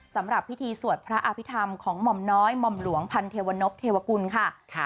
สำหรับพิธีสวดพระอภิษฐรรมของหม่อมน้อยหม่อมหลวงพันเทวนพเทวกุลค่ะ